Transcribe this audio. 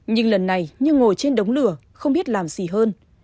nhưng lần này như ngồi trên đống lửa không biết làm gì hơn